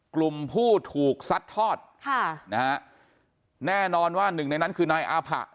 กลุ่มผู้ถูกซัดทอดค่ะนะฮะแน่นอนว่าหนึ่งในนั้นคือนายอาผะ